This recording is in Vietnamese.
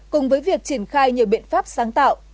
cùng với việc triển khai nhiều biện pháp sáng tạo